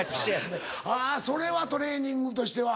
あぁそれはトレーニングとしては。